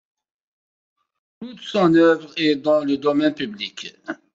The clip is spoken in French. Toute son œuvre est dans le domaine public.